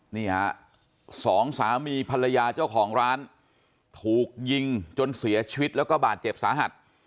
นี่ฮะสองสามีภรรยาเจ้าของร้านถูกยิงจนเสียชีวิตแล้วก็บาดเจ็บสาหัส